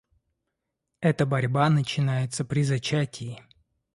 Эта борьба начинается при зачатии.